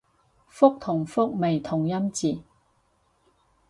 覆同復咪同音字